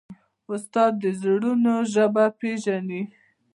استاد د زړونو ژبه پېژني.